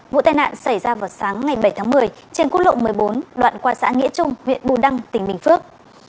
vụ tai nạn xảy ra vào sáng ngày bảy tháng một mươi trên quốc lộ một mươi bốn đoạn qua xã nghĩa trung huyện bù đăng tỉnh bình phước